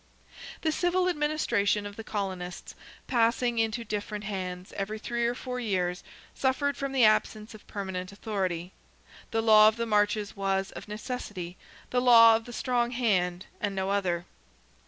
The civil administration of the colonists passing into different hands every three or four years, suffered from the absence of permanent authority. The law of the marches was, of necessity, the law of the strong hand, and no other.